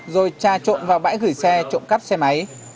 rồi tra trộm vào bãi gửi xe trộm cắp xe máy